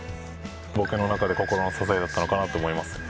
僕の中で心の支えだったのかなって思いますね